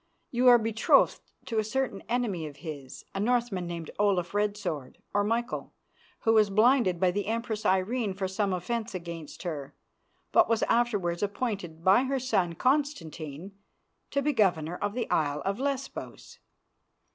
You are betrothed to a certain enemy of his, a Northman named Olaf Red Sword or Michael, who was blinded by the Empress Irene for some offence against her, but was afterwards appointed by her son Constantine to be governor of the Isle of Lesbos.